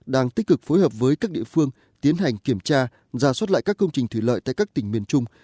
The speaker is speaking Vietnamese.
đang tích cực phối hợp với các địa phương tiến hành kiểm tra giả soát lại các công trình thủy lợi tại các tỉnh miền trung